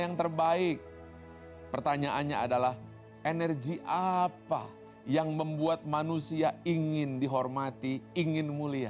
yang terbaik pertanyaannya adalah energi apa yang membuat manusia ingin dihormati ingin mulia